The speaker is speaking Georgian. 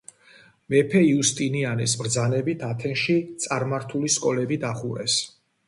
მეფე იუსტინიანეს ბრძანებით ათენში წარმართული სკოლები დახურეს.